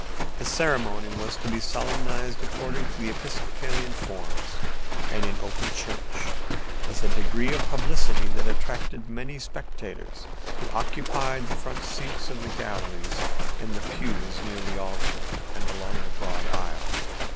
The ceremony was to be solemnized according to the Episcopalian forms and in open church, with a degree of publicity that attracted many spectators, who occupied the front seats of the galleries and the pews near the altar and along the broad aisle.